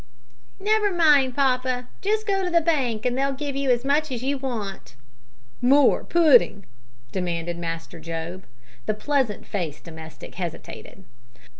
"Never mind, papa. Just go to the bank and they'll give you as much as you want." "More pooding!" demanded Master Job. The pleasant faced domestic hesitated.